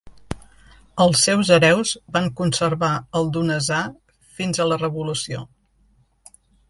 Els seus hereus van conservar el Donasà fins a la revolució.